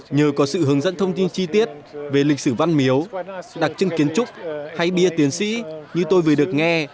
nhờ có sự hướng dẫn thông tin chi tiết về lịch sử văn miếu đặc trưng kiến trúc hay bia tiến sĩ như tôi vừa được nghe